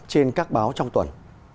trên các báo trong tuần